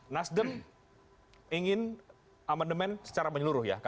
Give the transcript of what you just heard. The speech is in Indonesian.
nasdem ingin amandemen secara menyeluruh ya